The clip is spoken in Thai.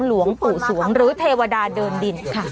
หลวงปู่สวงหรือเทวดาเดินดินค่ะ